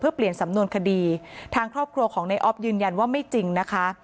เพื่อเปลี่ยนสำนวนคดีทางครอบครัวของในออฟยืนยันว่าไม่จริงนะคะ